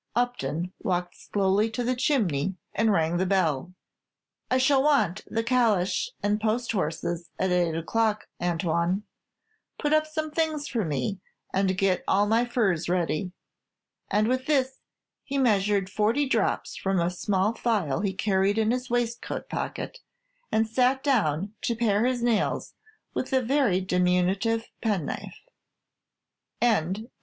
Upton walked slowly to the chimney and rang the bell. "I shall want the calèche and post horses at eight o'clock, Antoine. Put up some things for me, and get all my furs ready." And with this he measured forty drops from a small phial he carried in his waistcoat pocket, and sat down to pare his nails with a very diminutive penknife. CHAPTER XXXVIII.